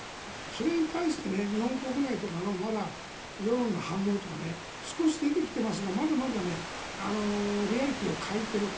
それに対して日本国内とかのまだ世論の反応とか少し出てきてますがまだまだリアリティーを欠いている。